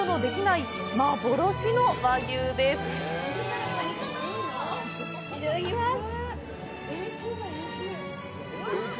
いただきます！